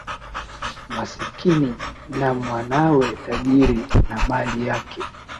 Masikini na mwanawe tajiri na mali yake